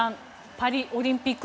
パリオリンピック